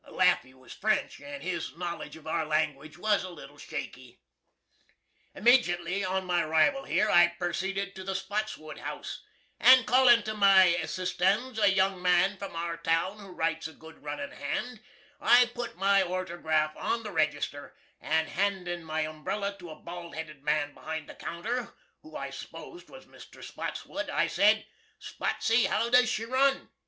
Lafy was French, and his knowledge of our langwidge was a little shaky. Immejutly on my 'rival here I perceeded to the Spotswood House, and callin' to my assistans a young man from our town who writes a good runnin' hand, I put my ortograph on the Register, and handin' my umbrella to a baldheded man behind the counter, who I s'posed was Mr. Spotswood, I said, "Spotsy, how does she run?"